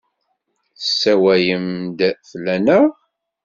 Tessawalemt-d fell-aneɣ?